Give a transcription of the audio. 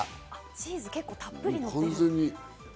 チーズたっぷりのってる。